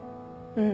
うん。